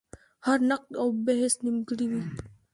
هر نقد او بحث نیمګړی وي.